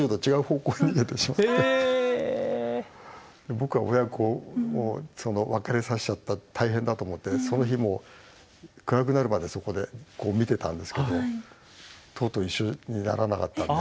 僕が親子を別れさせちゃった大変だと思ってその日もう暗くなるまでそこでこう見てたんですけどとうとう一緒にならなかったんで。